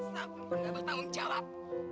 sampai pernah bertanggungjawab